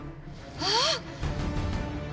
あっ！